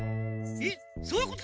えっそういうこと？